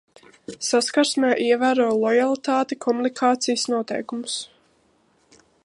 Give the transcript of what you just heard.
Saskarsmē ievēro lojalitāti, komunikācijas noteikumus.